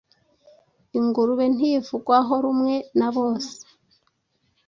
ingurube ntivugwaho rumwe nabose